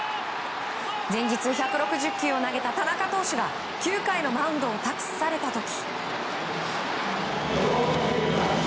前日１６０球を投げた田中投手が９回のマウンドを託された時。